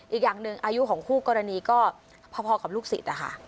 อีกอย่างหนึ่งอายุของคู่กรณีก็พอกับลูกศิษย์นะคะ